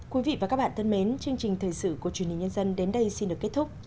quý vị và các bạn thân mến chương trình thời sự của truyền hình nhân dân đến đây xin được kết thúc